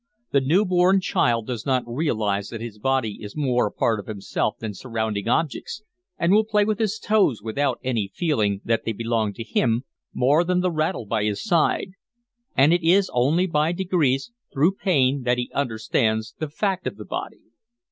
The new born child does not realise that his body is more a part of himself than surrounding objects, and will play with his toes without any feeling that they belong to him more than the rattle by his side; and it is only by degrees, through pain, that he understands the fact of the body.